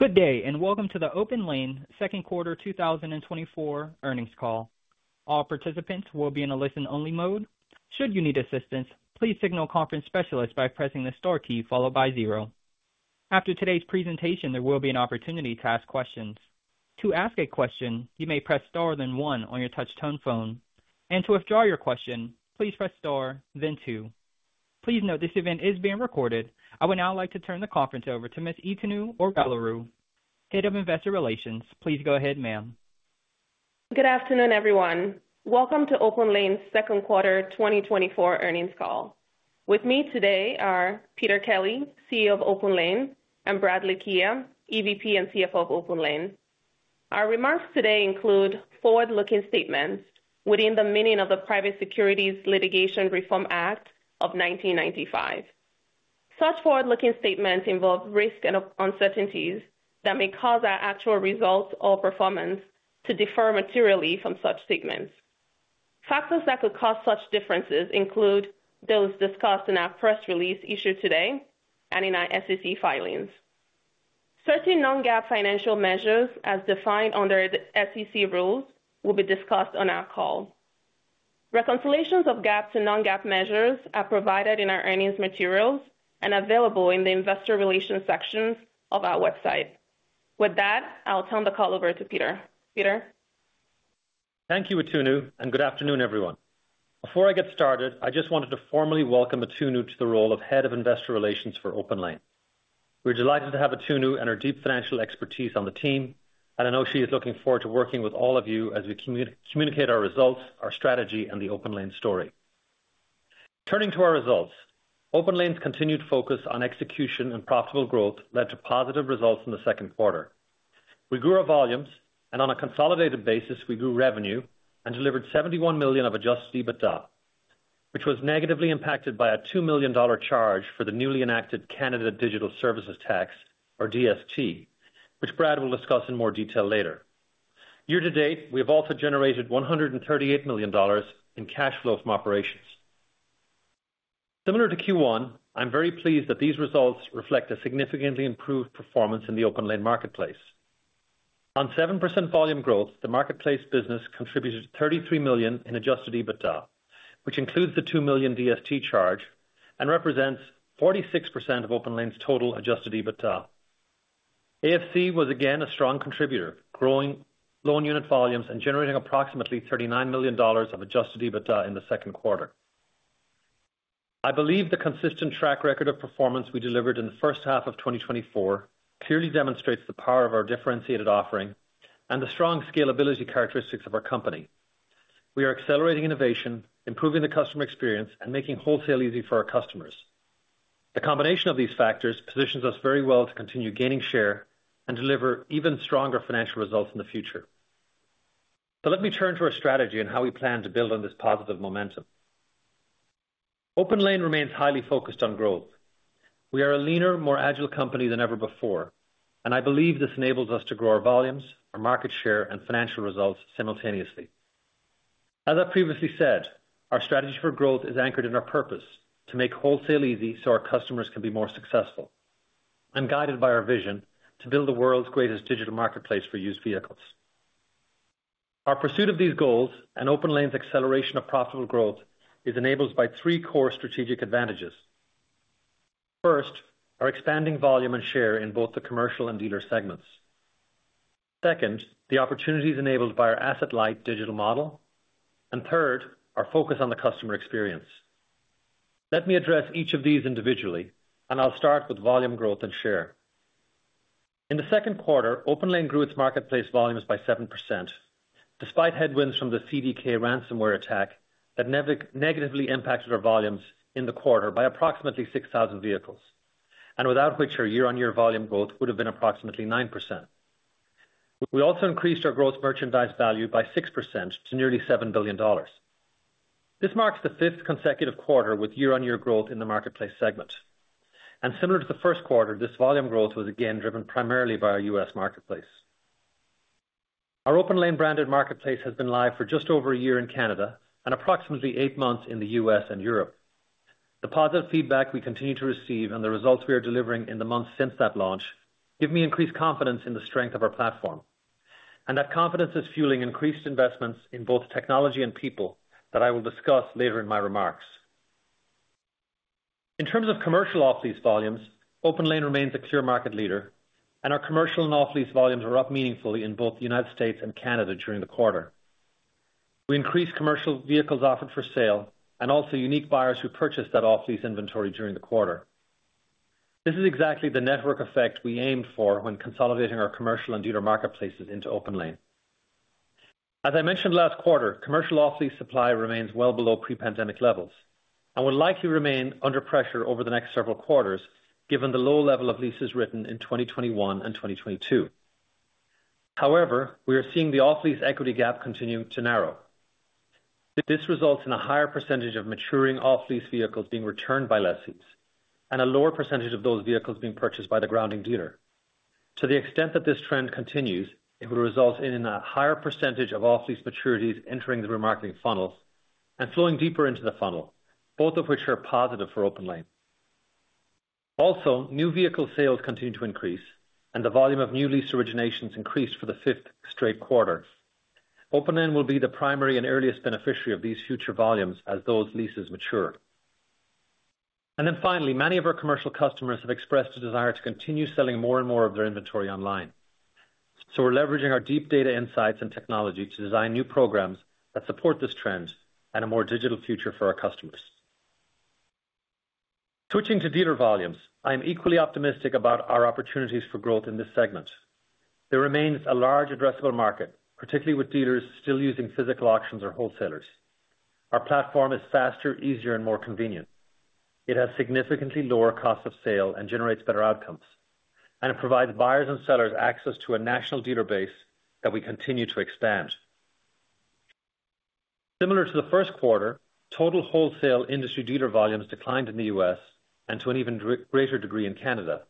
Good day, and welcome to the OPENLANE second quarter 2024 earnings call. All participants will be in a listen-only mode. Should you need assistance, please signal conference specialist by pressing the star key followed by zero. After today's presentation, there will be an opportunity to ask questions. To ask a question, you may press star then one on your touch-tone phone. To withdraw your question, please press star, then two. Please note this event is being recorded. I would now like to turn the conference over to Ms. Itunu Orelaru. Head of Investor Relations, please go ahead, ma'am. Good afternoon, everyone. Welcome to OPENLANE Second Quarter 2024 earnings call. With me today are Peter Kelly, CEO of OPENLANE, and Brad Lakhia, EVP and CFO of OPENLANE. Our remarks today include forward-looking statements within the meaning of the Private Securities Litigation Reform Act of 1995. Such forward-looking statements involve risk and uncertainties that may cause our actual results or performance to differ materially from such statements. Factors that could cause such differences include those discussed in our press release issued today and in our SEC filings. Certain non-GAAP financial measures, as defined under the SEC rules, will be discussed on our call. Reconciliations of GAAP to non-GAAP measures are provided in our earnings materials and available in the Investor Relations sections of our website. With that, I'll turn the call over to Peter. Peter. Thank you, Itunu, and good afternoon, everyone. Before I get started, I just wanted to formally welcome Itunu to the role of Head of Investor Relations for OPENLANE. We're delighted to have Itunu and her deep financial expertise on the team, and I know she is looking forward to working with all of you as we communicate our results, our strategy, and the OPENLANE story. Turning to our results, OPENLANE's continued focus on execution and profitable growth led to positive results in the second quarter. We grew our volumes, and on a consolidated basis, we grew revenue and delivered $71 million of adjusted EBITDA, which was negatively impacted by a $2 million charge for the newly enacted Canada Digital Services Tax, or DST, which Brad will discuss in more detail later. Year to date, we have also generated $138 million in cash flow from operations. Similar to Q1, I'm very pleased that these results reflect a significantly improved performance in the OPENLANE marketplace. On 7% volume growth, the marketplace business contributed $33 million in adjusted EBITDA, which includes the $2 million DST charge and represents 46% of OPENLANE's total adjusted EBITDA. AFC was again a strong contributor, growing loan unit volumes and generating approximately $39 million of adjusted EBITDA in the second quarter. I believe the consistent track record of performance we delivered in the first half of 2024 clearly demonstrates the power of our differentiated offering and the strong scalability characteristics of our company. We are accelerating innovation, improving the customer experience, and making wholesale easy for our customers. The combination of these factors positions us very well to continue gaining share and deliver even stronger financial results in the future. So let me turn to our strategy and how we plan to build on this positive momentum. OPENLANE remains highly focused on growth. We are a leaner, more agile company than ever before, and I believe this enables us to grow our volumes, our market share, and financial results simultaneously. As I previously said, our strategy for growth is anchored in our purpose to make wholesale easy so our customers can be more successful. I'm guided by our vision to build the world's greatest digital marketplace for used vehicles. Our pursuit of these goals and OPENLANE's acceleration of profitable growth is enabled by three core strategic advantages. First, our expanding volume and share in both the commercial and dealer segments. Second, the opportunities enabled by our asset-light digital model. And third, our focus on the customer experience. Let me address each of these individually, and I'll start with volume growth and share. In the second quarter, OPENLANE grew its marketplace volumes by 7%, despite headwinds from the CDK ransomware attack that negatively impacted our volumes in the quarter by approximately 6,000 vehicles, and without which our year-on-year volume growth would have been approximately 9%. We also increased our gross merchandise value by 6% to nearly $7 billion. This marks the fifth consecutive quarter with year-on-year growth in the marketplace segment. Similar to the first quarter, this volume growth was again driven primarily by our U.S. marketplace. Our OPENLANE branded marketplace has been live for just over a year in Canada and approximately eight months in the U.S. and Europe. The positive feedback we continue to receive and the results we are delivering in the months since that launch give me increased confidence in the strength of our platform, and that confidence is fueling increased investments in both technology and people that I will discuss later in my remarks. In terms of commercial off-lease volumes, OPENLANE remains a clear market leader, and our commercial and off-lease volumes were up meaningfully in both the United States and Canada during the quarter. We increased commercial vehicles offered for sale and also unique buyers who purchased that off-lease inventory during the quarter. This is exactly the network effect we aimed for when consolidating our commercial and dealer marketplaces into OPENLANE. As I mentioned last quarter, commercial off-lease supply remains well below pre-pandemic levels and would likely remain under pressure over the next several quarters given the low level of leases written in 2021 and 2022. However, we are seeing the off-lease equity gap continue to narrow. This results in a higher percentage of maturing off-lease vehicles being returned by lessees and a lower percentage of those vehicles being purchased by the granting dealer. To the extent that this trend continues, it would result in a higher percentage of off-lease maturities entering the remarketing funnel and flowing deeper into the funnel, both of which are positive for OPENLANE. Also, new vehicle sales continue to increase, and the volume of new lease originations increased for the fifth straight quarter. OPENLANE will be the primary and earliest beneficiary of these future volumes as those leases mature. And then finally, many of our commercial customers have expressed a desire to continue selling more and more of their inventory online. So we're leveraging our deep data insights and technology to design new programs that support this trend and a more digital future for our customers. Switching to dealer volumes, I am equally optimistic about our opportunities for growth in this segment. There remains a large addressable market, particularly with dealers still using physical auctions or wholesalers. Our platform is faster, easier, and more convenient. It has significantly lower cost of sale and generates better outcomes, and it provides buyers and sellers access to a national dealer base that we continue to expand. Similar to the first quarter, total wholesale industry dealer volumes declined in the U.S. and to an even greater degree in Canada.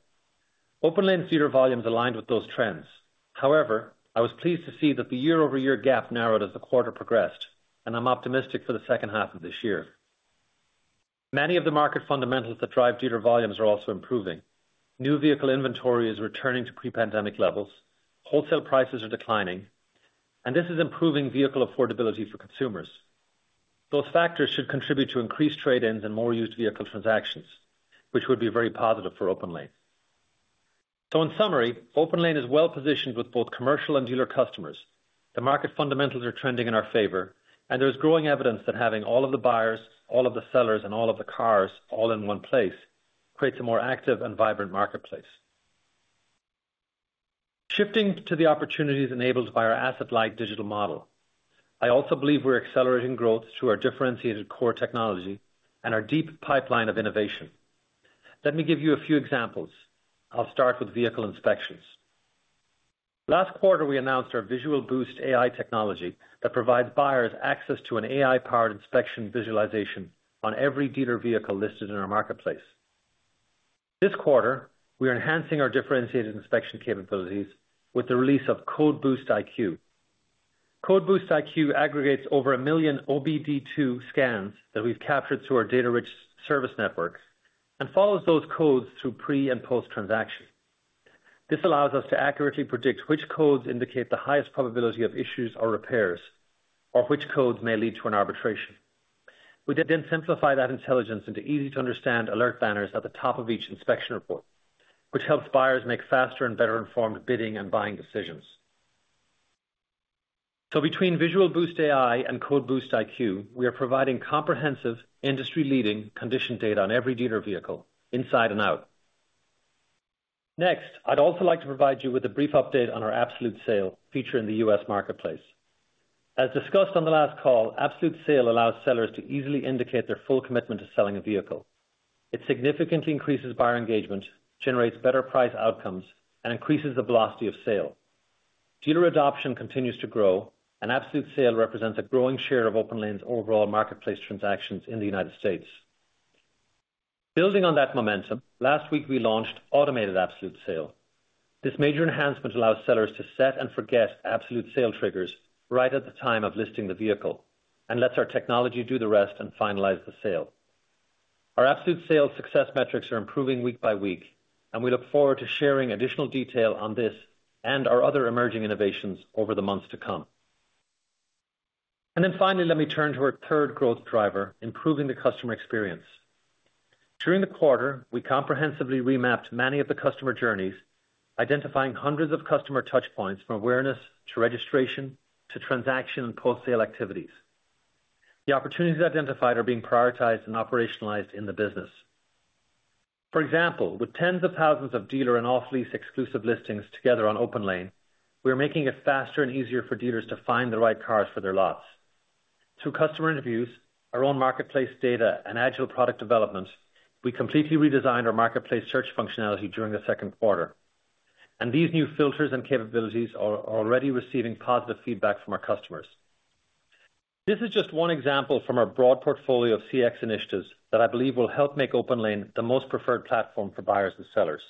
OPENLANE's dealer volumes aligned with those trends. However, I was pleased to see that the year-over-year gap narrowed as the quarter progressed, and I'm optimistic for the second half of this year. Many of the market fundamentals that drive dealer volumes are also improving. New vehicle inventory is returning to pre-pandemic levels. Wholesale prices are declining, and this is improving vehicle affordability for consumers. Those factors should contribute to increased trade-ins and more used vehicle transactions, which would be very positive for OPENLANE. So in summary, OPENLANE is well positioned with both commercial and dealer customers. The market fundamentals are trending in our favor, and there is growing evidence that having all of the buyers, all of the sellers, and all of the cars all in one place creates a more active and vibrant marketplace. Shifting to the opportunities enabled by our asset-light digital model, I also believe we're accelerating growth through our differentiated core technology and our deep pipeline of innovation. Let me give you a few examples. I'll start with vehicle inspections. Last quarter, we announced our Visual Boost AI technology that provides buyers access to an AI-powered inspection visualization on every dealer vehicle listed in our marketplace. This quarter, we are enhancing our differentiated inspection capabilities with the release of Code Boost IQ. Code Boost IQ aggregates over a million OBD2 scans that we've captured through our data-rich service network and follows those codes through pre- and post-transaction. This allows us to accurately predict which codes indicate the highest probability of issues or repairs or which codes may lead to an arbitration. We then simplify that intelligence into easy-to-understand alert banners at the top of each inspection report, which helps buyers make faster and better-informed bidding and buying decisions. So between Visual Boost AI and Code Boost IQ, we are providing comprehensive, industry-leading condition data on every dealer vehicle inside and out. Next, I'd also like to provide you with a brief update on our absolute sale feature in the U.S. marketplace. As discussed on the last call, absolute sale allows sellers to easily indicate their full commitment to selling a vehicle. It significantly increases buyer engagement, generates better price outcomes, and increases the velocity of sale. Dealer adoption continues to grow, and absolute sale represents a growing share of OPENLANE's overall marketplace transactions in the United States. Building on that momentum, last week we launched Automated Absolute Sale. This major enhancement allows sellers to set and forget absolute sale triggers right at the time of listing the vehicle and lets our technology do the rest and finalize the sale. Our absolute sale success metrics are improving week by week, and we look forward to sharing additional detail on this and our other emerging innovations over the months to come. And then finally, let me turn to our third growth driver, improving the customer experience. During the quarter, we comprehensively remapped many of the customer journeys, identifying hundreds of customer touchpoints from awareness to registration to transaction and post-sale activities. The opportunities identified are being prioritized and operationalized in the business. For example, with tens of thousands of dealer and off-lease exclusive listings together on OPENLANE, we are making it faster and easier for dealers to find the right cars for their lots. Through customer interviews, our own marketplace data, and agile product development, we completely redesigned our marketplace search functionality during the second quarter. These new filters and capabilities are already receiving positive feedback from our customers. This is just one example from our broad portfolio of CX initiatives that I believe will help make OPENLANE the most preferred platform for buyers and sellers.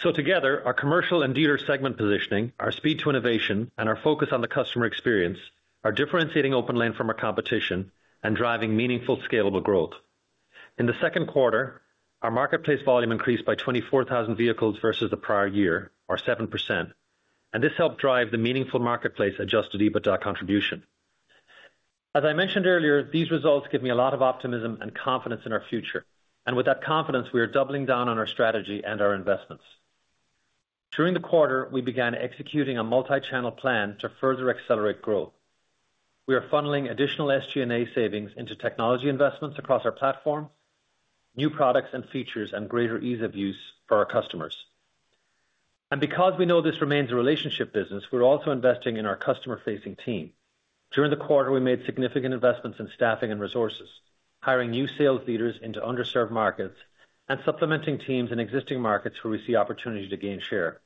Together, our commercial and dealer segment positioning, our speed to innovation, and our focus on the customer experience are differentiating OPENLANE from our competition and driving meaningful scalable growth. In the second quarter, our marketplace volume increased by 24,000 vehicles versus the prior year, or 7%, and this helped drive the meaningful marketplace adjusted EBITDA contribution. As I mentioned earlier, these results give me a lot of optimism and confidence in our future, and with that confidence, we are doubling down on our strategy and our investments. During the quarter, we began executing a multi-channel plan to further accelerate growth. We are funneling additional SG&A savings into technology investments across our platform, new products and features, and greater ease of use for our customers. And because we know this remains a relationship business, we're also investing in our customer-facing team. During the quarter, we made significant investments in staffing and resources, hiring new sales leaders into underserved markets and supplementing teams in existing markets where we see opportunity to gain share.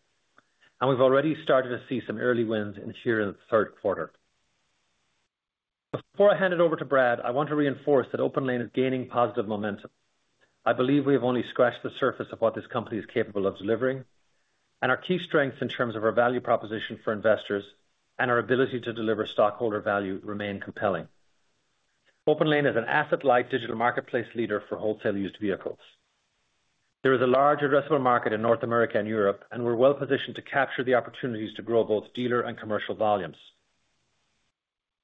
And we've already started to see some early wins in here in the third quarter. Before I hand it over to Brad, I want to reinforce that OPENLANE is gaining positive momentum. I believe we have only scratched the surface of what this company is capable of delivering, and our key strengths in terms of our value proposition for investors and our ability to deliver stockholder value remain compelling. OPENLANE is an asset-light digital marketplace leader for wholesale used vehicles. There is a large addressable market in North America and Europe, and we're well positioned to capture the opportunities to grow both dealer and commercial volumes.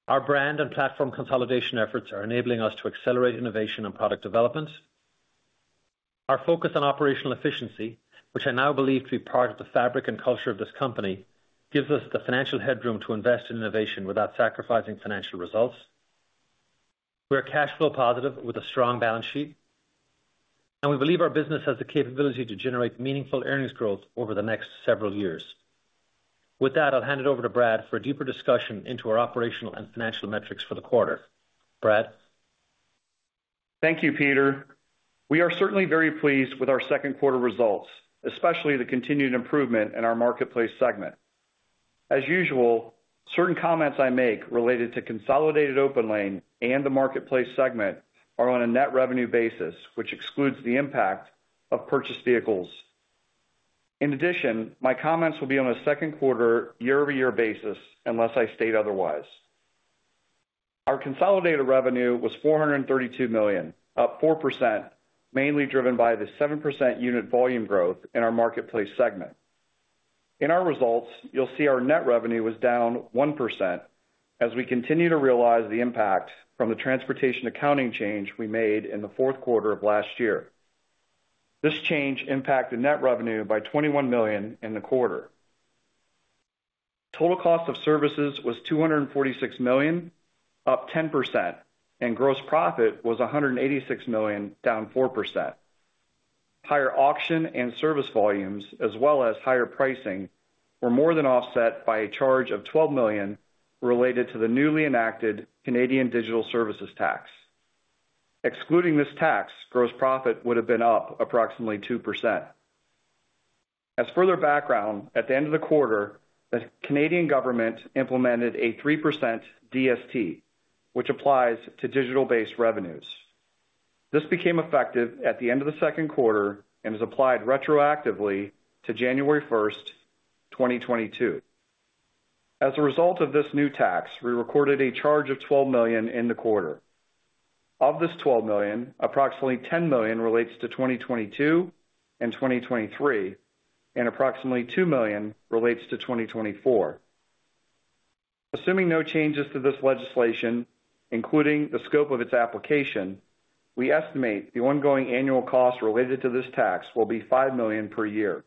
Our brand and platform consolidation efforts are enabling us to accelerate innovation and product development. Our focus on operational efficiency, which I now believe to be part of the fabric and culture of this company, gives us the financial headroom to invest in innovation without sacrificing financial results. We are cash flow positive with a strong balance sheet, and we believe our business has the capability to generate meaningful earnings growth over the next several years. With that, I'll hand it over to Brad for a deeper discussion into our operational and financial metrics for the quarter. Brad. Thank you, Peter. We are certainly very pleased with our second quarter results, especially the continued improvement in our marketplace segment. As usual, certain comments I make related to consolidated OPENLANE and the marketplace segment are on a net revenue basis, which excludes the impact of purchased vehicles. In addition, my comments will be on a second quarter year-over-year basis unless I state otherwise. Our consolidated revenue was $432 million, up 4%, mainly driven by the 7% unit volume growth in our marketplace segment. In our results, you'll see our net revenue was down 1% as we continue to realize the impact from the transportation accounting change we made in the fourth quarter of last year. This change impacted net revenue by $21 million in the quarter. Total cost of services was $246 million, up 10%, and gross profit was $186 million, down 4%. Higher auction and service volumes, as well as higher pricing, were more than offset by a charge of $12 million related to the newly enacted Canadian Digital Services Tax. Excluding this tax, gross profit would have been up approximately 2%. As further background, at the end of the quarter, the Canadian government implemented a 3% DST, which applies to digital-based revenues. This became effective at the end of the second quarter and is applied retroactively to January 1st, 2022. As a result of this new tax, we recorded a charge of $12 million in the quarter. Of this $12 million, approximately $10 million relates to 2022 and 2023, and approximately $2 million relates to 2024. Assuming no changes to this legislation, including the scope of its application, we estimate the ongoing annual cost related to this tax will be $5 million per year.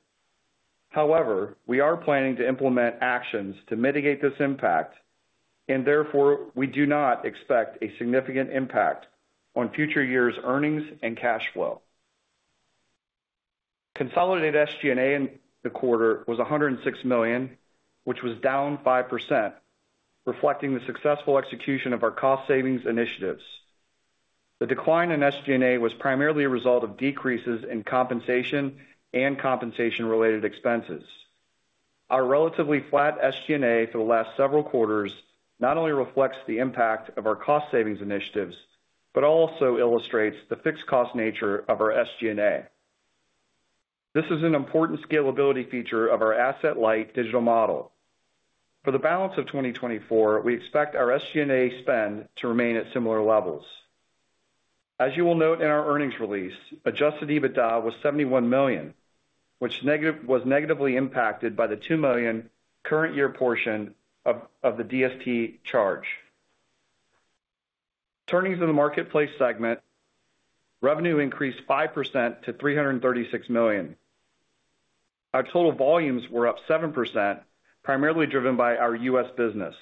However, we are planning to implement actions to mitigate this impact, and therefore we do not expect a significant impact on future years' earnings and cash flow. Consolidated SG&A in the quarter was $106 million, which was down 5%, reflecting the successful execution of our cost savings initiatives. The decline in SG&A was primarily a result of decreases in compensation and compensation-related expenses. Our relatively flat SG&A for the last several quarters not only reflects the impact of our cost savings initiatives, but also illustrates the fixed cost nature of our SG&A. This is an important scalability feature of our asset-light digital model. For the balance of 2024, we expect our SG&A spend to remain at similar levels. As you will note in our earnings release, adjusted EBITDA was $71 million, which was negatively impacted by the $2 million current year portion of the DST charge. Turning to the marketplace segment, revenue increased 5% to $336 million. Our total volumes were up 7%, primarily driven by our U.S. business.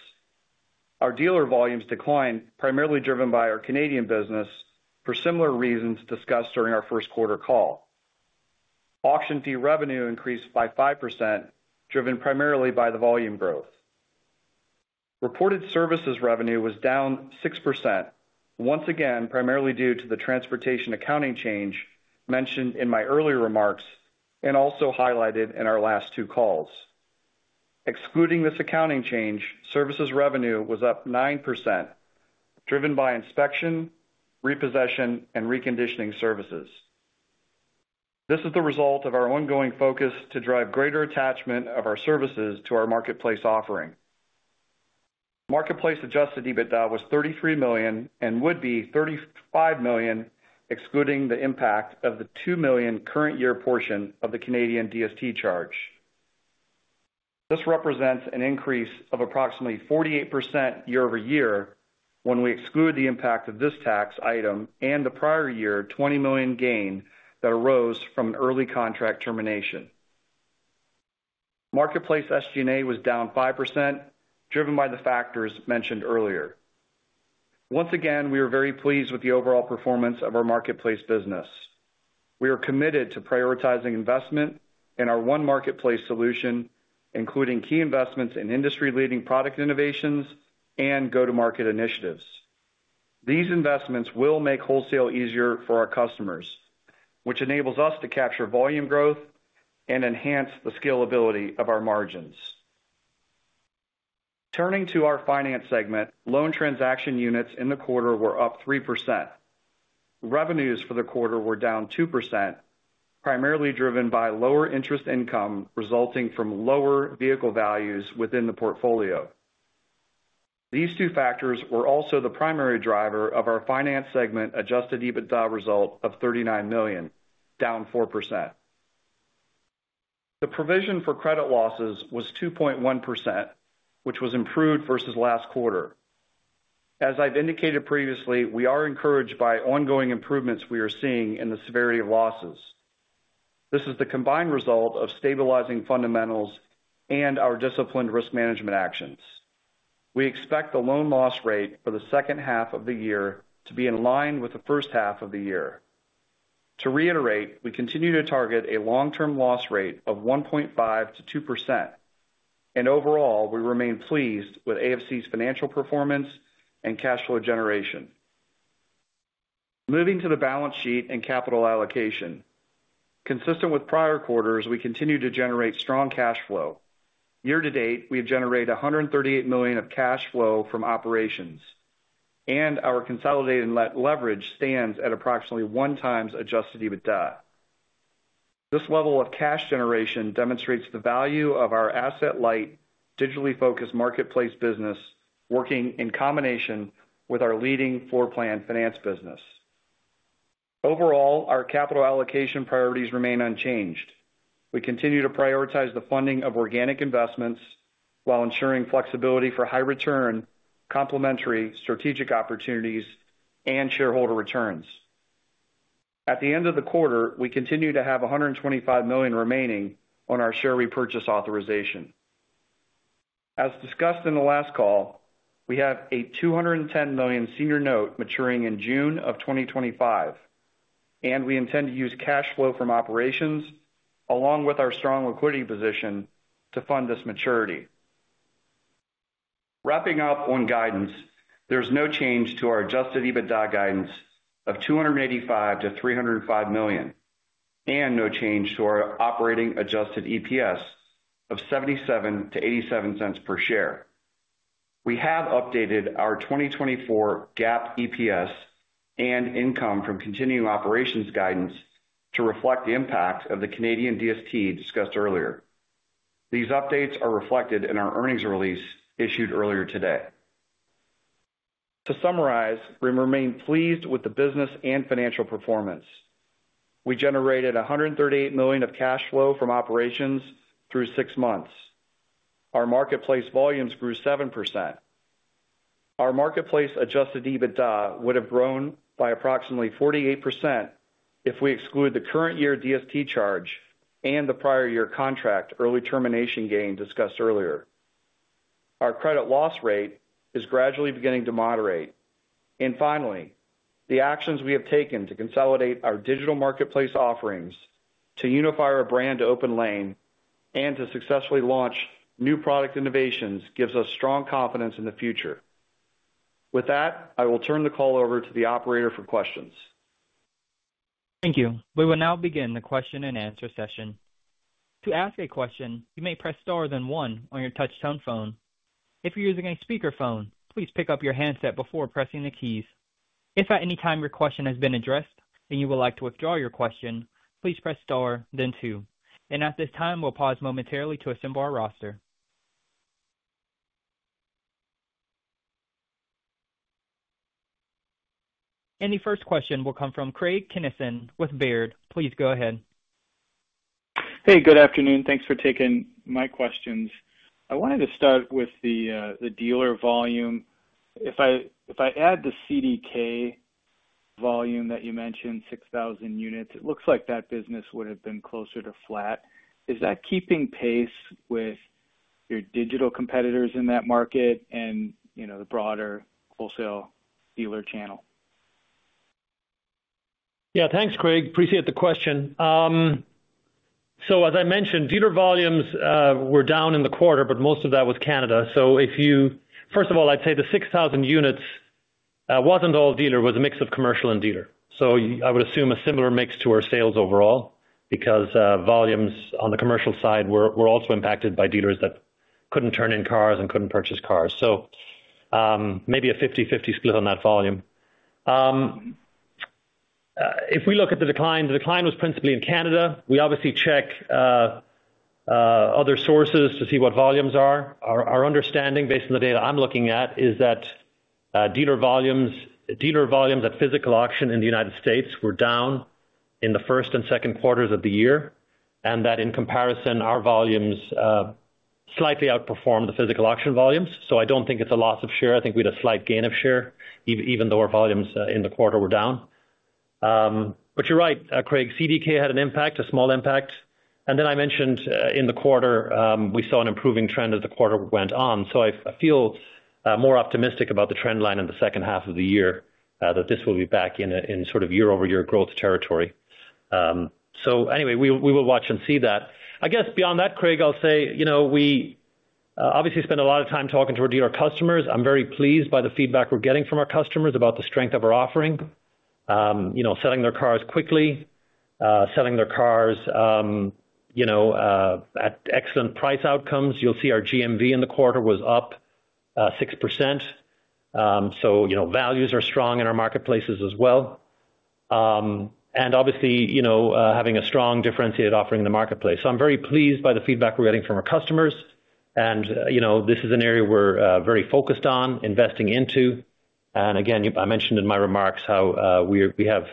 Our dealer volumes declined, primarily driven by our Canadian business, for similar reasons discussed during our first quarter call. Auction fee revenue increased by 5%, driven primarily by the volume growth. Reported services revenue was down 6%, once again primarily due to the transportation accounting change mentioned in my earlier remarks and also highlighted in our last two calls. Excluding this accounting change, services revenue was up 9%, driven by inspection, repossession, and reconditioning services. This is the result of our ongoing focus to drive greater attachment of our services to our marketplace offering. Marketplace adjusted EBITDA was $33 million and would be $35 million excluding the impact of the $2 million current year portion of the Canadian DST charge. This represents an increase of approximately 48% year-over-year when we exclude the impact of this tax item and the prior year $20 million gain that arose from an early contract termination. Marketplace SG&A was down 5%, driven by the factors mentioned earlier. Once again, we are very pleased with the overall performance of our marketplace business. We are committed to prioritizing investment in our one marketplace solution, including key investments in industry-leading product innovations and go-to-market initiatives. These investments will make wholesale easier for our customers, which enables us to capture volume growth and enhance the scalability of our margins. Turning to our finance segment, loan transaction units in the quarter were up 3%. Revenues for the quarter were down 2%, primarily driven by lower interest income resulting from lower vehicle values within the portfolio. These two factors were also the primary driver of our finance segment adjusted EBITDA result of $39 million, down 4%. The provision for credit losses was 2.1%, which was improved versus last quarter. As I've indicated previously, we are encouraged by ongoing improvements we are seeing in the severity of losses. This is the combined result of stabilizing fundamentals and our disciplined risk management actions. We expect the loan loss rate for the second half of the year to be in line with the first half of the year. To reiterate, we continue to target a long-term loss rate of 1.5%-2%. Overall, we remain pleased with AFC's financial performance and cash flow generation. Moving to the balance sheet and capital allocation. Consistent with prior quarters, we continue to generate strong cash flow. Year to date, we have generated $138 million of cash flow from operations, and our consolidated leverage stands at approximately 1x adjusted EBITDA. This level of cash generation demonstrates the value of our asset-light, digitally focused marketplace business working in combination with our leading floor plan finance business. Overall, our capital allocation priorities remain unchanged. We continue to prioritize the funding of organic investments while ensuring flexibility for high-return, complementary strategic opportunities, and shareholder returns. At the end of the quarter, we continue to have $125 million remaining on our share repurchase authorization. As discussed in the last call, we have a $210 million senior note maturing in June of 2025, and we intend to use cash flow from operations along with our strong liquidity position to fund this maturity. Wrapping up on guidance, there is no change to our adjusted EBITDA guidance of $285 million-$305 million, and no change to our operating adjusted EPS of $0.77-$0.87 per share. We have updated our 2024 GAAP EPS and income from continuing operations guidance to reflect the impact of the Canadian DST discussed earlier. These updates are reflected in our earnings release issued earlier today. To summarize, we remain pleased with the business and financial performance. We generated $138 million of cash flow from operations through six months. Our marketplace volumes grew 7%. Our marketplace adjusted EBITDA would have grown by approximately 48% if we exclude the current year DST charge and the prior year contract early termination gain discussed earlier. Our credit loss rate is gradually beginning to moderate. Finally, the actions we have taken to consolidate our digital marketplace offerings to unify our brand to OPENLANE and to successfully launch new product innovations gives us strong confidence in the future. With that, I will turn the call over to the operator for questions. Thank you. We will now begin the question and answer session. To ask a question, you may press star then one on your touch-tone phone. If you're using a speakerphone, please pick up your handset before pressing the keys. If at any time your question has been addressed and you would like to withdraw your question, please press star then two. At this time, we'll pause momentarily to assemble our roster. The first question will come from Craig Kennison with Baird. Please go ahead. Hey, good afternoon. Thanks for taking my questions. I wanted to start with the dealer volume. If I add the CDK volume that you mentioned, 6,000 units, it looks like that business would have been closer to flat. Is that keeping pace with your digital competitors in that market and the broader wholesale dealer channel? Yeah, thanks, Craig. Appreciate the question. So as I mentioned, dealer volumes were down in the quarter, but most of that was Canada. So if you, first of all, I'd say the 6,000 units wasn't all dealer. It was a mix of commercial and dealer. So I would assume a similar mix to our sales overall because volumes on the commercial side were also impacted by dealers that couldn't turn in cars and couldn't purchase cars. So maybe a 50/50 split on that volume. If we look at the decline, the decline was principally in Canada. We obviously check other sources to see what volumes are. Our understanding based on the data I'm looking at is that dealer volumes at physical auction in the United States were down in the first and second quarters of the year, and that in comparison, our volumes slightly outperformed the physical auction volumes. So I don't think it's a loss of share. I think we had a slight gain of share, even though our volumes in the quarter were down. But you're right, Craig. CDK had an impact, a small impact. And then I mentioned in the quarter, we saw an improving trend as the quarter went on. So I feel more optimistic about the trend line in the second half of the year that this will be back in sort of year-over-year growth territory. So anyway, we will watch and see that. I guess beyond that, Craig, I'll say we obviously spend a lot of time talking to our dealer customers. I'm very pleased by the feedback we're getting from our customers about the strength of our offering, selling their cars quickly, selling their cars at excellent price outcomes. You'll see our GMV in the quarter was up 6%. So values are strong in our marketplaces as well. And obviously, having a strong differentiated offering in the marketplace. So I'm very pleased by the feedback we're getting from our customers. And this is an area we're very focused on, investing into. And again, I mentioned in my remarks how we have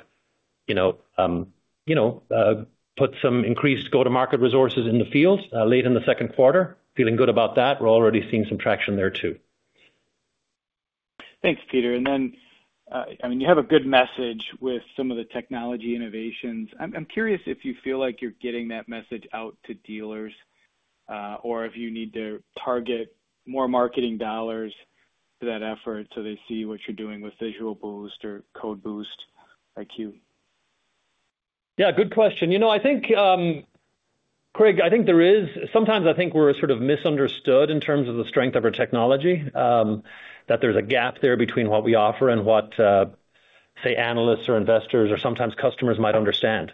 put some increased go-to-market resources in the field late in the second quarter, feeling good about that. We're already seeing some traction there too. Thanks, Peter. And then, I mean, you have a good message with some of the technology innovations. I'm curious if you feel like you're getting that message out to dealers or if you need to target more marketing dollars to that effort so they see what you're doing with Visual Boost or Code Boost IQ. Yeah, good question. You know, I think, Craig, I think there is sometimes I think we're sort of misunderstood in terms of the strength of our technology, that there's a gap there between what we offer and what, say, analysts or investors or sometimes customers might understand.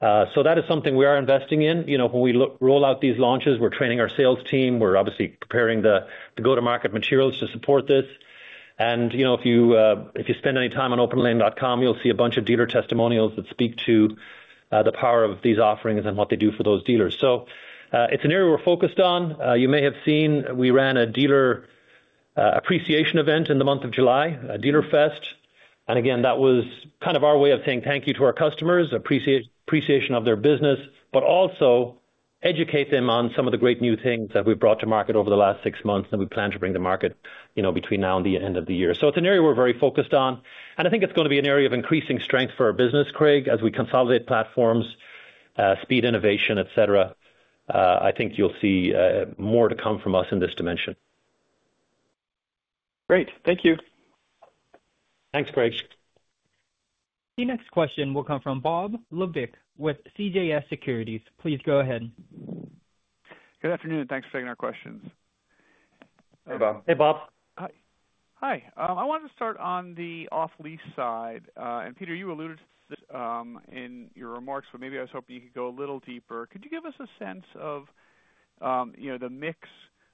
So that is something we are investing in. When we roll out these launches, we're training our sales team. We're obviously preparing the go-to-market materials to support this. And if you spend any time on OPENLANE.com, you'll see a bunch of dealer testimonials that speak to the power of these offerings and what they do for those dealers. So it's an area we're focused on. You may have seen we ran a dealer appreciation event in the month of July, a DealerFest. And again, that was kind of our way of saying thank you to our customers, appreciation of their business, but also educate them on some of the great new things that we've brought to market over the last six months that we plan to bring to market between now and the end of the year. So it's an area we're very focused on. And I think it's going to be an area of increasing strength for our business, Craig, as we consolidate platforms, speed innovation, etc. I think you'll see more to come from us in this dimension. Great. Thank you. Thanks, Craig. The next question will come from Bob Labick with CJS Securities. Please go ahead. Good afternoon. Thanks for taking our questions. Hey, Bob. Hey, Bob. Hi. I wanted to start on the off-lease side. And Peter, you alluded to this in your remarks, but maybe I was hoping you could go a little deeper. Could you give us a sense of the mix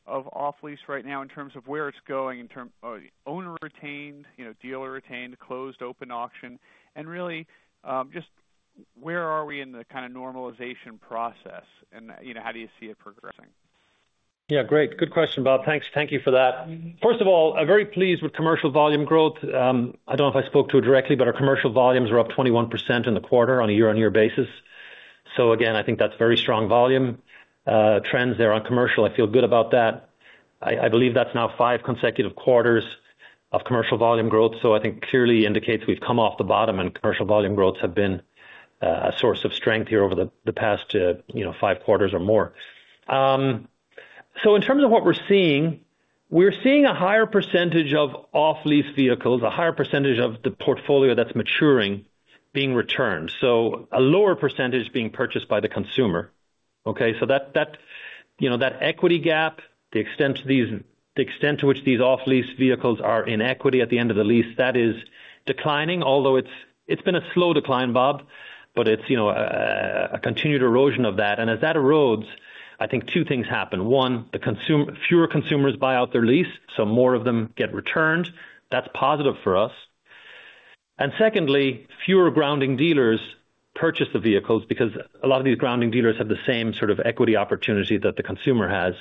of off-lease right now in terms of where it's going in terms of owner retained, dealer retained, closed, open auction, and really just where are we in the kind of normalization process? And how do you see it progressing? Yeah, great. Good question, Bob. Thanks. Thank you for that. First of all, I'm very pleased with commercial volume growth. I don't know if I spoke to it directly, but our commercial volumes were up 21% in the quarter on a year-on-year basis. So again, I think that's very strong volume trends there on commercial. I feel good about that. I believe that's now five consecutive quarters of commercial volume growth. So I think clearly indicates we've come off the bottom and commercial volume growths have been a source of strength here over the past 5 quarters or more. So in terms of what we're seeing, we're seeing a higher percentage of off-lease vehicles, a higher percentage of the portfolio that's maturing being returned, so a lower percentage being purchased by the consumer. Okay? So that equity gap, the extent to which these off-lease vehicles are in equity at the end of the lease, that is declining, although it's been a slow decline, Bob, but it's a continued erosion of that. And as that erodes, I think 2 things happen. One, the fewer consumers buy out their lease, so more of them get returned. That's positive for us. Secondly, fewer grounding dealers purchase the vehicles because a lot of these grounding dealers have the same sort of equity opportunity that the consumer has.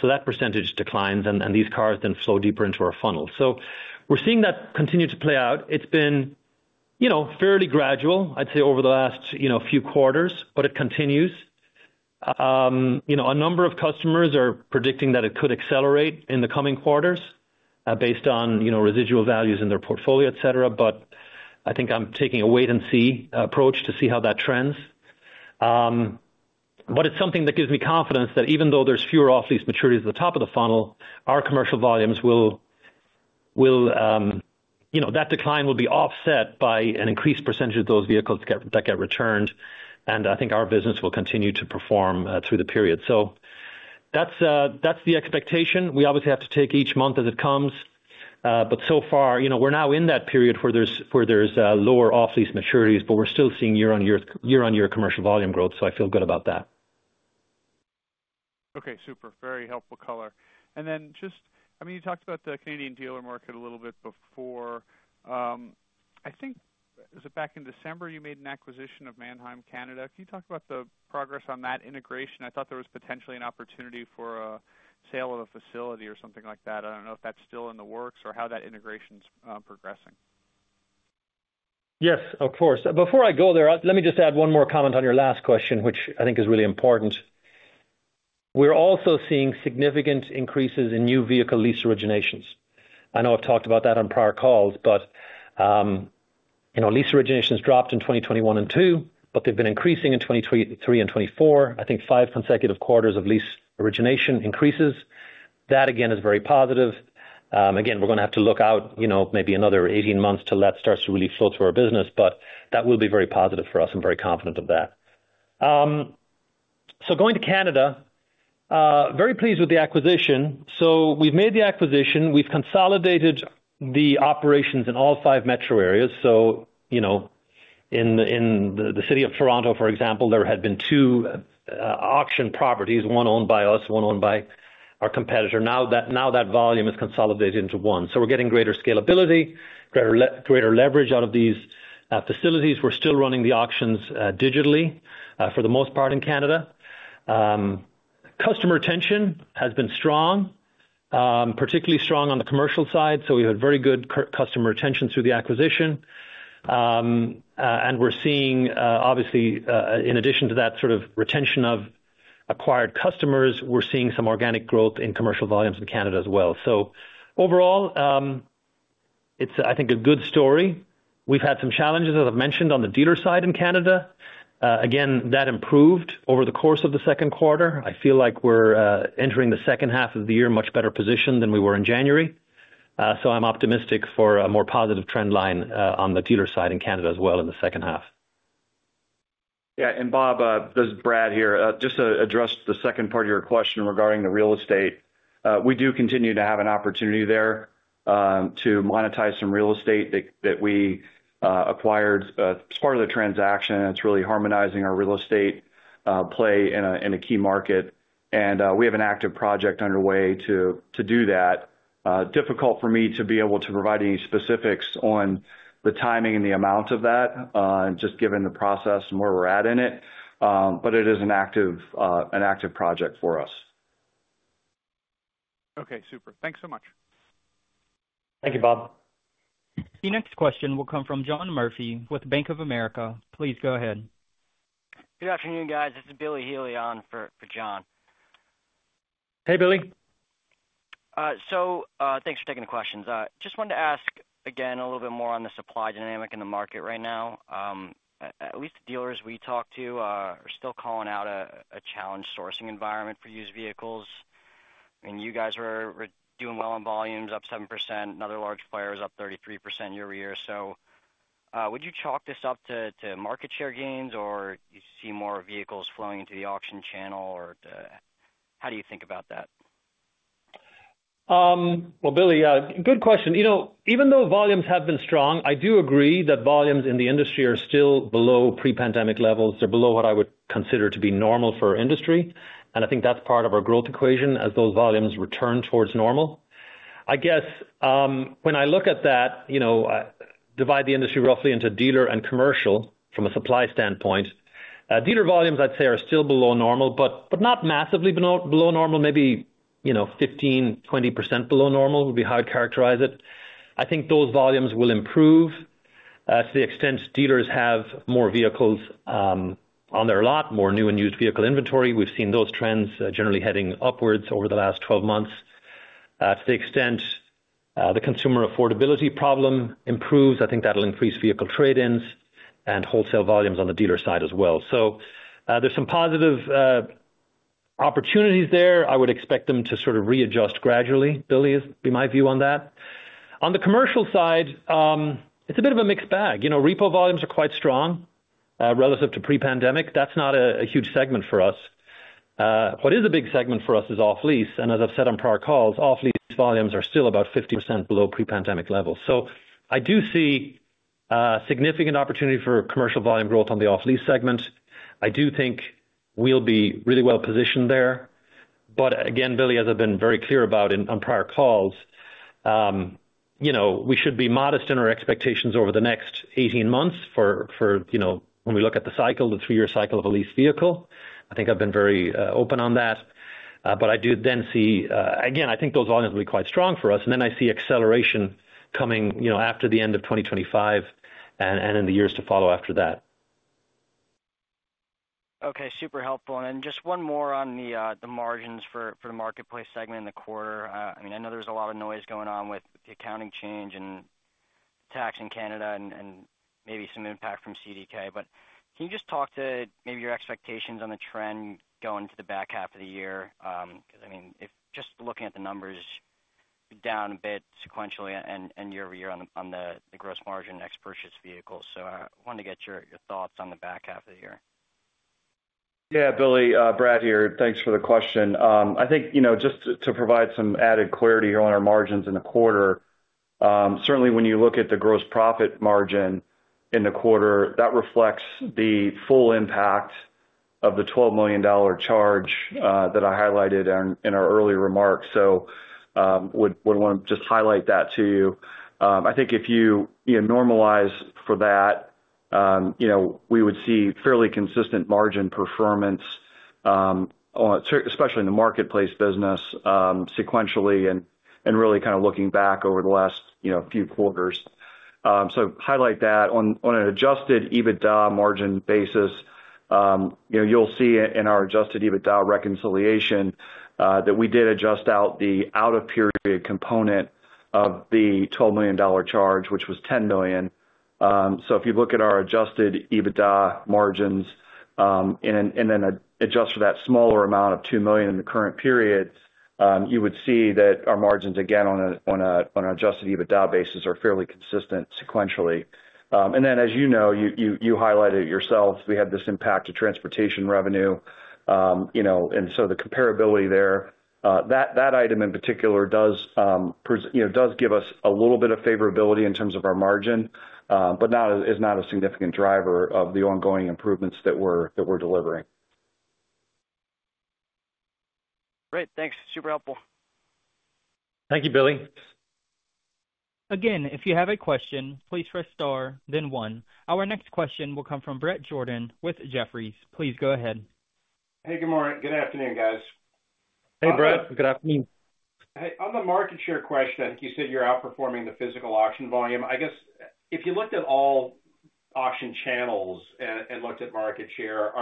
So that percentage declines, and these cars then flow deeper into our funnel. So we're seeing that continue to play out. It's been fairly gradual, I'd say, over the last few quarters, but it continues. A number of customers are predicting that it could accelerate in the coming quarters based on residual values in their portfolio, etc. But I think I'm taking a wait-and-see approach to see how that trends. But it's something that gives me confidence that even though there's fewer off-lease maturities at the top of the funnel, our commercial volumes will—that decline will be offset by an increased percentage of those vehicles that get returned. And I think our business will continue to perform through the period. So that's the expectation. We obviously have to take each month as it comes. But so far, we're now in that period where there's lower off-lease maturities, but we're still seeing year-on-year commercial volume growth. So I feel good about that. Okay. Super. Very helpful color. And then just, I mean, you talked about the Canadian dealer market a little bit before. I think it was back in December you made an acquisition of Manheim Canada. Can you talk about the progress on that integration? I thought there was potentially an opportunity for a sale of a facility or something like that. I don't know if that's still in the works or how that integration's progressing. Yes, of course. Before I go there, let me just add one more comment on your last question, which I think is really important. We're also seeing significant increases in new vehicle lease originations. I know I've talked about that on prior calls, but lease originations dropped in 2021 and 2022, but they've been increasing in 2023 and 2024. I think five consecutive quarters of lease origination increases. That, again, is very positive. Again, we're going to have to look out maybe another 18 months till that starts to really flow through our business, but that will be very positive for us. I'm very confident of that. Going to Canada, very pleased with the acquisition. We've made the acquisition. We've consolidated the operations in all five metro areas. In the city of Toronto, for example, there had been two auction properties, one owned by us, one owned by our competitor. Now that volume is consolidated into one. We're getting greater scalability, greater leverage out of these facilities. We're still running the auctions digitally for the most part in Canada. Customer retention has been strong, particularly strong on the commercial side. So we have very good customer retention through the acquisition. We're seeing, obviously, in addition to that sort of retention of acquired customers, we're seeing some organic growth in commercial volumes in Canada as well. So overall, it's, I think, a good story. We've had some challenges, as I've mentioned, on the dealer side in Canada. Again, that improved over the course of the second quarter. I feel like we're entering the second half of the year in a much better position than we were in January. So I'm optimistic for a more positive trend line on the dealer side in Canada as well in the second half. Yeah. And Bob, this is Brad here. Just to address the second part of your question regarding the real estate, we do continue to have an opportunity there to monetize some real estate that we acquired. It's part of the transaction. It's really harmonizing our real estate play in a key market. And we have an active project underway to do that. Difficult for me to be able to provide any specifics on the timing and the amount of that, just given the process and where we're at in it. But it is an active project for us. Okay. Super. Thanks so much. Thank you, Bob. The next question will come from John Murphy with Bank of America. Please go ahead. Good afternoon, guys. This is Billy Healy on for John. Hey, Billy. So thanks for taking the questions. Just wanted to ask again a little bit more on the supply dynamic in the market right now. At least the dealers we talked to are still calling out a challenge sourcing environment for used vehicles. And you guys were doing well on volumes, up 7%. Another large player is up 33% year-over-year. So would you chalk this up to market share gains, or do you see more vehicles flowing into the auction channel, or how do you think about that? Well, Billy, good question. Even though volumes have been strong, I do agree that volumes in the industry are still below pre-pandemic levels. They're below what I would consider to be normal for our industry. And I think that's part of our growth equation as those volumes return towards normal. I guess when I look at that, divide the industry roughly into dealer and commercial from a supply standpoint, dealer volumes, I'd say, are still below normal, but not massively below normal. Maybe 15%-20% below normal would be how I'd characterize it. I think those volumes will improve to the extent dealers have more vehicles on their lot, more new and used vehicle inventory. We've seen those trends generally heading upwards over the last 12 months. To the extent the consumer affordability problem improves, I think that'll increase vehicle trade-ins and wholesale volumes on the dealer side as well. So there's some positive opportunities there. I would expect them to sort of readjust gradually, Billy is my view on that. On the commercial side, it's a bit of a mixed bag. Repo volumes are quite strong relative to pre-pandemic. That's not a huge segment for us. What is a big segment for us is off-lease. And as I've said on prior calls, off-lease volumes are still about 50% below pre-pandemic levels. So I do see significant opportunity for commercial volume growth on the off-lease segment. I do think we'll be really well positioned there. But again, Billy, as I've been very clear about on prior calls, we should be modest in our expectations over the next 18 months for when we look at the cycle, the three-year cycle of a leased vehicle. I think I've been very open on that. But I do then see, again, I think those volumes will be quite strong for us. And then I see acceleration coming after the end of 2025 and in the years to follow after that. Okay. Super helpful. And then just one more on the margins for the marketplace segment in the quarter. I mean, I know there's a lot of noise going on with the accounting change and tax in Canada and maybe some impact from CDK. But can you just talk to maybe your expectations on the trend going into the back half of the year? Because, I mean, just looking at the numbers, down a bit sequentially and year-over-year on the gross margin ex fleet vehicles. So I wanted to get your thoughts on the back half of the year. Yeah, Billy, Brad here. Thanks for the question. I think just to provide some added clarity here on our margins in the quarter, certainly when you look at the gross profit margin in the quarter, that reflects the full impact of the $12 million charge that I highlighted in our earlier remarks. So would want to just highlight that to you. I think if you normalize for that, we would see fairly consistent margin performance, especially in the marketplace business sequentially and really kind of looking back over the last few quarters. So highlight that on an adjusted EBITDA margin basis. You'll see in our adjusted EBITDA reconciliation that we did adjust out the out-of-period component of the $12 million charge, which was $10 million. So if you look at our adjusted EBITDA margins and then adjust for that smaller amount of $2 million in the current period, you would see that our margins, again, on an adjusted EBITDA basis are fairly consistent sequentially. And then, as you know, you highlighted it yourself, we had this impact to transportation revenue. And so the comparability there, that item in particular does give us a little bit of favorability in terms of our margin, but is not a significant driver of the ongoing improvements that we're delivering. Great. Thanks. Super helpful. Thank you, Billy. Again, if you have a question, please press star, then one. Our next question will come from Bret Jordan with Jefferies. Please go ahead. Hey, good morning. Good afternoon, guys. Hey, Brad. Good afternoon. On the market share question, you said you're outperforming the physical auction volume. I guess if you looked at all auction channels and looked at market share,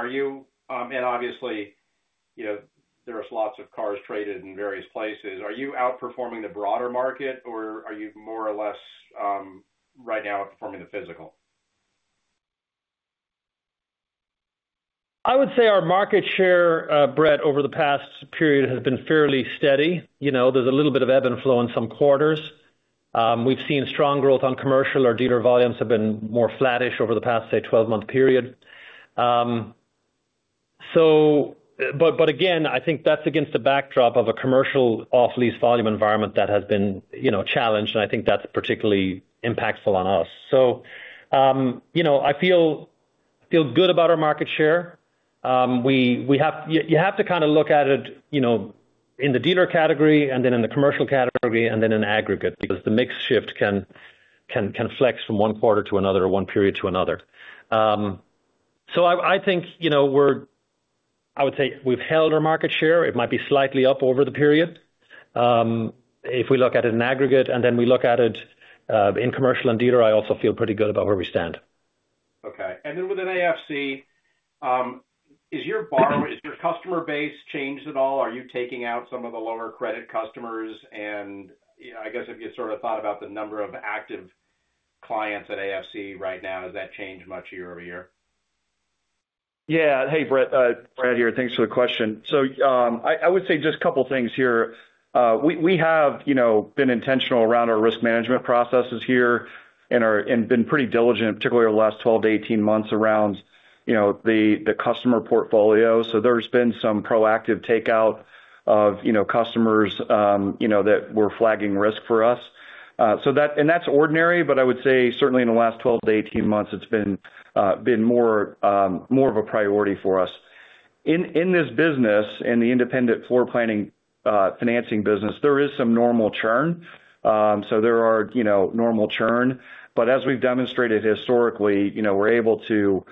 and obviously, there are lots of cars traded in various places. Are you outperforming the broader market, or are you more or less right now outperforming the physical? I would say our market share, Brett, over the past period has been fairly steady. There's a little bit of ebb and flow in some quarters. We've seen strong growth on commercial. Our dealer volumes have been more flattish over the past, say, 12-month period. But again, I think that's against the backdrop of a commercial off-lease volume environment that has been challenged, and I think that's particularly impactful on us. So I feel good about our market share. You have to kind of look at it in the dealer category and then in the commercial category and then in aggregate because the mix shift can flex from one quarter to another or one period to another. So I think we're, I would say, we've held our market share. It might be slightly up over the period. If we look at it in aggregate and then we look at it in commercial and dealer, I also feel pretty good about where we stand. Okay. And then within AFC, is your customer base changed at all? Are you taking out some of the lower credit customers? And I guess if you sort of thought about the number of active clients at AFC right now, has that changed much year-over-year? Yeah. Hey, Brad. Brad here. Thanks for the question. I would say just a couple of things here. We have been intentional around our risk management processes here and been pretty diligent, particularly over the last 12-18 months around the customer portfolio. There's been some proactive takeout of customers that were flagging risk for us. That's ordinary, but I would say certainly in the last 12-18 months, it's been more of a priority for us. In this business, in the independent floor planning financing business, there is some normal churn. There are normal churn. As we've demonstrated historically, we're able to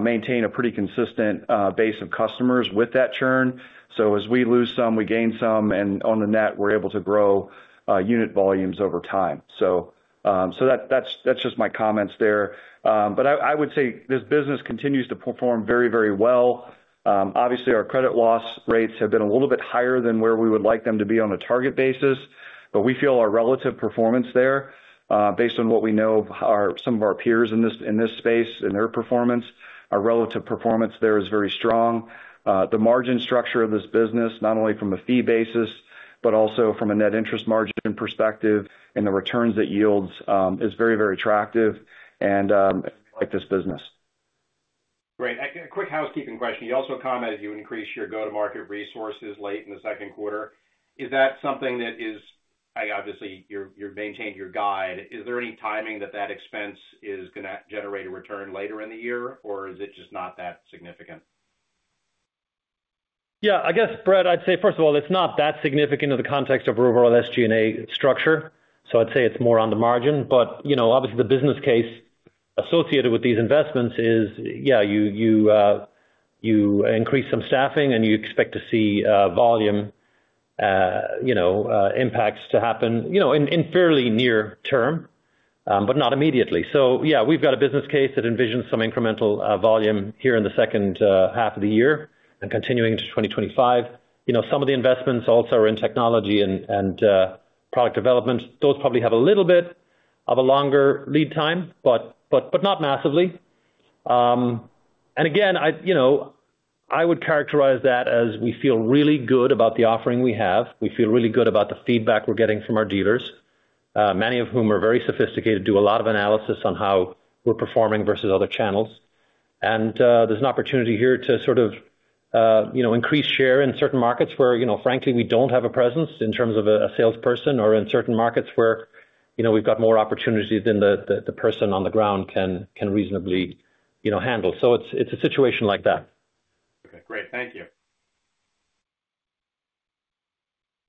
maintain a pretty consistent base of customers with that churn. As we lose some, we gain some. On the net, we're able to grow unit volumes over time. That's just my comments there. I would say this business continues to perform very, very well. Obviously, our credit loss rates have been a little bit higher than where we would like them to be on a target basis, but we feel our relative performance there, based on what we know of some of our peers in this space and their performance, our relative performance there is very strong. The margin structure of this business, not only from a fee basis, but also from a net interest margin perspective and the returns it yields, is very, very attractive. And I like this business. Great. A quick housekeeping question. You also commented you increased your go-to-market resources late in the second quarter. Is that something that is, obviously, you've maintained your guide? Is there any timing that that expense is going to generate a return later in the year, or is it just not that significant? Yeah. I guess, Brad, I'd say, first of all, it's not that significant in the context of overall SG&A and a structure. So I'd say it's more on the margin. But obviously, the business case associated with these investments is, yeah, you increase some staffing and you expect to see volume impacts to happen in fairly near term, but not immediately. So yeah, we've got a business case that envisions some incremental volume here in the second half of the year and continuing to 2025. Some of the investments also are in technology and product development. Those probably have a little bit of a longer lead time, but not massively. And again, I would characterize that as we feel really good about the offering we have. We feel really good about the feedback we're getting from our dealers, many of whom are very sophisticated, do a lot of analysis on how we're performing versus other channels. And there's an opportunity here to sort of increase share in certain markets where, frankly, we don't have a presence in terms of a salesperson or in certain markets where we've got more opportunities than the person on the ground can reasonably handle. So it's a situation like that. Okay. Great. Thank you.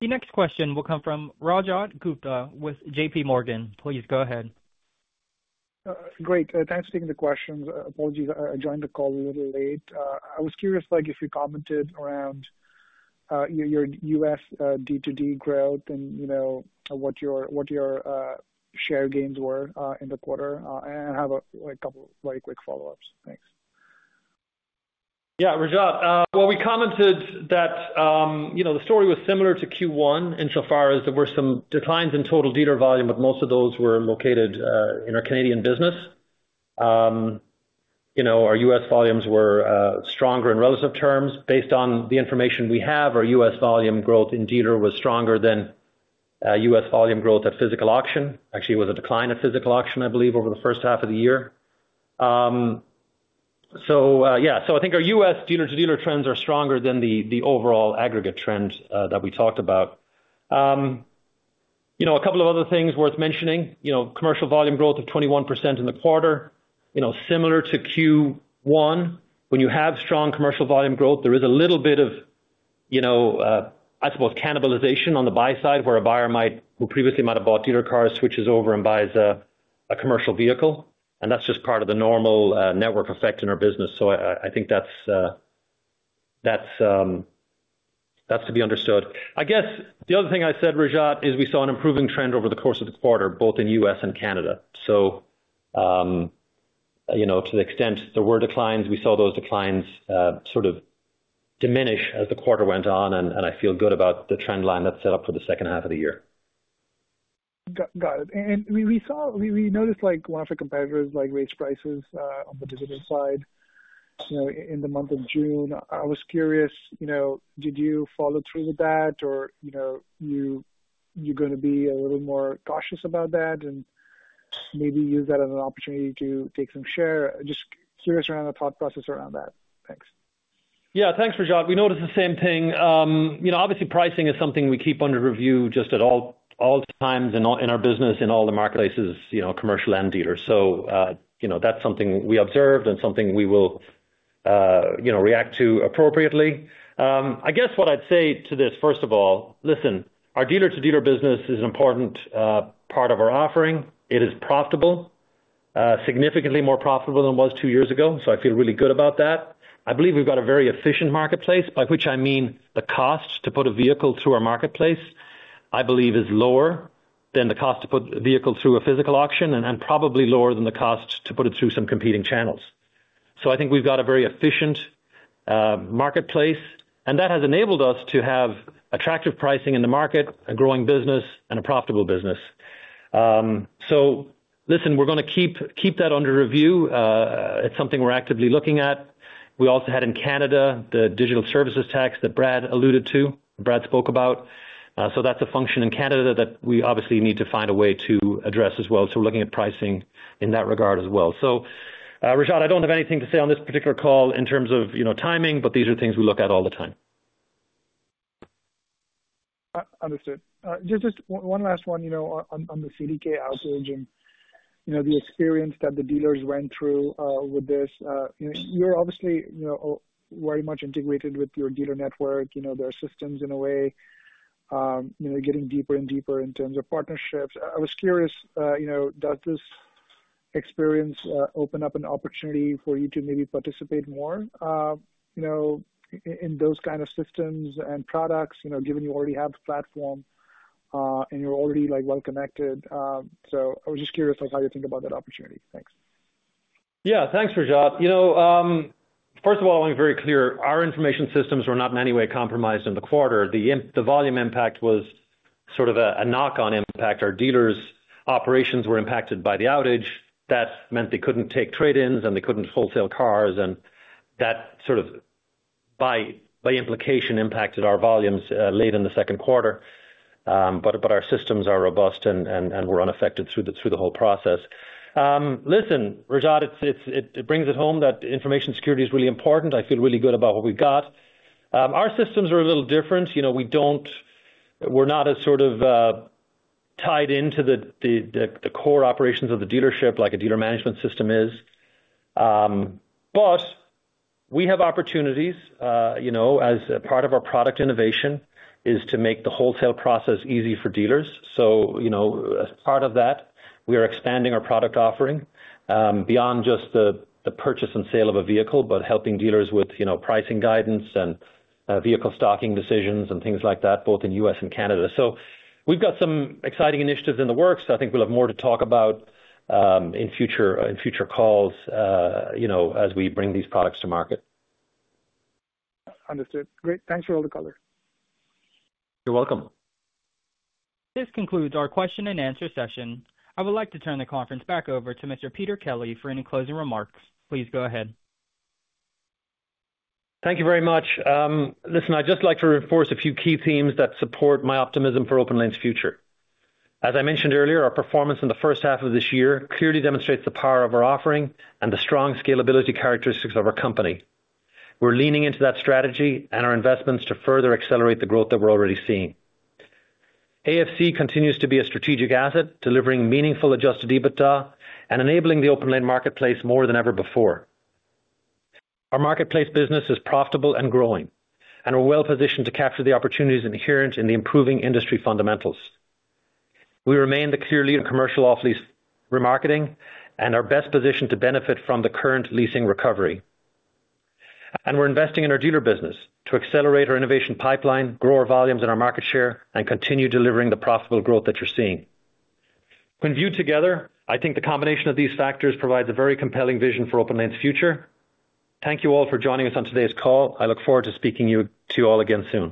The next question will come from Rajat Gupta with JPMorgan. Please go ahead. Great. Thanks for taking the questions. Apologies. I joined the call a little late. I was curious if you commented around your US D2D growth and what your share gains were in the quarter and have a couple of very quick follow-ups. Thanks. Yeah, Rajat. Well, we commented that the story was similar to Q1 insofar as there were some declines in total dealer volume, but most of those were located in our Canadian business. Our U.S. volumes were stronger in relative terms. Based on the information we have, our U.S. volume growth in dealer was stronger than U.S. volume growth at physical auction. Actually, it was a decline at physical auction, I believe, over the first half of the year. So yeah, so I think our U.S. dealer-to-dealer trends are stronger than the overall aggregate trends that we talked about. A couple of other things worth mentioning. Commercial volume growth of 21% in the quarter. Similar to Q1, when you have strong commercial volume growth, there is a little bit of, I suppose, cannibalization on the buy side where a buyer who previously might have bought dealer cars switches over and buys a commercial vehicle. And that's just part of the normal network effect in our business. So I think that's to be understood. I guess the other thing I said, Rajah, is we saw an improving trend over the course of the quarter, both in U.S. and Canada. So to the extent there were declines, we saw those declines sort of diminish as the quarter went on, and I feel good about the trend line that's set up for the second half of the year. Got it. And we noticed one of our competitors raised prices on the digital side in the month of June. I was curious, did you follow through with that, or you're going to be a little more cautious about that and maybe use that as an opportunity to take some share? Just curious around the thought process around that. Thanks. Yeah. Thanks, Rajah. We noticed the same thing. Obviously, pricing is something we keep under review just at all times in our business, in all the marketplaces, commercial and dealers. So that's something we observed and something we will react to appropriately. I guess what I'd say to this, first of all, listen, our dealer-to-dealer business is an important part of our offering. It is profitable, significantly more profitable than it was two years ago. So I feel really good about that. I believe we've got a very efficient marketplace, by which I mean the cost to put a vehicle through our marketplace, I believe, is lower than the cost to put a vehicle through a physical auction and probably lower than the cost to put it through some competing channels. So I think we've got a very efficient marketplace, and that has enabled us to have attractive pricing in the market, a growing business, and a profitable business. So listen, we're going to keep that under review. It's something we're actively looking at. We also had in Canada the Digital Services Tax that Brad alluded to, Brad spoke about. So that's a function in Canada that we obviously need to find a way to address as well. So we're looking at pricing in that regard as well. So Rajah, I don't have anything to say on this particular call in terms of timing, but these are things we look at all the time. Understood. Just one last one on the CDK outage and the experience that the dealers went through with this. You're obviously very much integrated with your dealer network, their systems in a way, getting deeper and deeper in terms of partnerships. I was curious, does this experience open up an opportunity for you to maybe participate more in those kinds of systems and products, given you already have a platform and you're already well connected? So I was just curious of how you think about that opportunity. Thanks. Yeah. Thanks, Rajah. First of all, I want to be very clear. Our information systems were not in any way compromised in the quarter. The volume impact was sort of a knock-on impact. Our dealers' operations were impacted by the outage. That meant they couldn't take trade-ins and they couldn't wholesale cars. That sort of, by implication, impacted our volumes late in the second quarter. Our systems are robust and were unaffected through the whole process. Listen, Rajah, it brings it home that information security is really important. I feel really good about what we've got. Our systems are a little different. We're not as sort of tied into the core operations of the dealership like a dealer management system is. But we have opportunities as part of our product innovation is to make the wholesale process easy for dealers. So as part of that, we are expanding our product offering beyond just the purchase and sale of a vehicle, but helping dealers with pricing guidance and vehicle stocking decisions and things like that, both in U.S. and Canada. So we've got some exciting initiatives in the works. I think we'll have more to talk about in future calls as we bring these products to market. Understood. Great. Thanks for all the color. You're welcome. This concludes our question-and-answer session. I would like to turn the conference back over to Mr. Peter Kelly for any closing remarks. Please go ahead. Thank you very much. Listen, I'd just like to reinforce a few key themes that support my optimism for OPENLANE's future. As I mentioned earlier, our performance in the first half of this year clearly demonstrates the power of our offering and the strong scalability characteristics of our company. We're leaning into that strategy and our investments to further accelerate the growth that we're already seeing. AFC continues to be a strategic asset, delivering meaningful adjusted EBITDA and enabling the OPENLANE marketplace more than ever before. Our marketplace business is profitable and growing, and we're well positioned to capture the opportunities inherent in the improving industry fundamentals. We remain the clear leader in commercial off-lease remarketing and are best positioned to benefit from the current leasing recovery. We're investing in our dealer business to accelerate our innovation pipeline, grow our volumes and our market share, and continue delivering the profitable growth that you're seeing. When viewed together, I think the combination of these factors provides a very compelling vision for OPENLANE's future. Thank you all for joining us on today's call. I look forward to speaking to you all again soon.